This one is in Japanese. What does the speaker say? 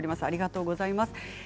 ありがとうございます。